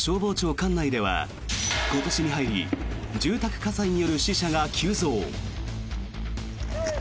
管内では、今年に入り住宅火災による死者が急増。